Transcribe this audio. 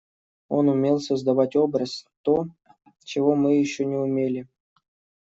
Он умел создавать образ, то, чего мы еще не умели.